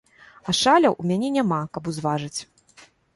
А шаляў у мяне няма, каб узважыць.